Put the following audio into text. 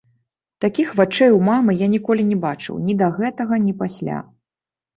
Такіх вачэй у мамы я ніколі не бачыў, ні да гэтага, ні пасля.